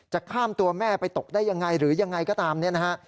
ข้ามตัวแม่ไปตกได้ยังไงหรือยังไงก็ตามเนี่ยนะฮะ